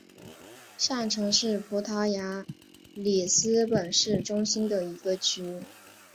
上城是葡萄牙里斯本市中心的一个区。